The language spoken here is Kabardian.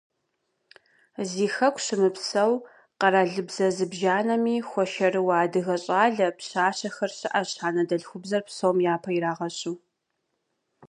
Зи Хэку щымыпсэу, къэралыбзэ зыбжанэми хуэшэрыуэ адыгэ щӀалэ, пщащэхэр щыӀэщ, анэдэлъхубзэр псом япэ ирагъэщу.